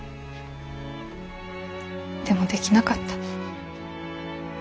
でもできなかった。